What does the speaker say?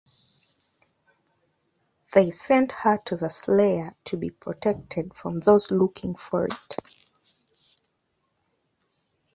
They sent her to the Slayer to be protected from those looking for it.